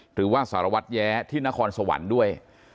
หรือว่าสารวัตรแย้ที่นครสวรรค์ด้วย